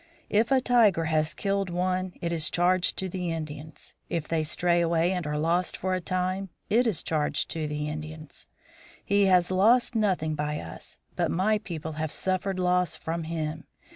If a tiger has killed one, it is charged to the Indians. If they stray away and are lost for a time, it is charged to the Indians. He has lost nothing by us; but my people have suffered loss from him.